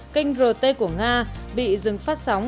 kênh rt của nga bị dừng phát sóng